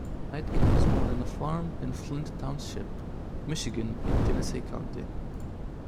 Aitken was born on a farm in Flint Township, Michigan in Genesee County.